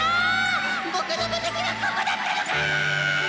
僕のモテ期はここだったのか！